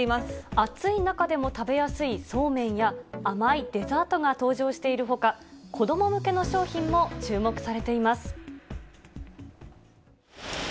暑い中でも食べやすいそうめんや、甘いデザートが登場しているほか、子ども向けの商品も注目されています。